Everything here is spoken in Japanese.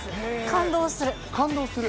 感動する？